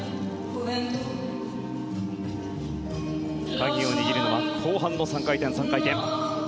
鍵を握るのは後半の３回転、３回転。